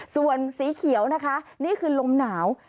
ส่วนสีเขียวนะคะนี่คือลมหนาว